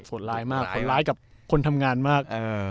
ร้ายมากโหดร้ายกับคนทำงานมาก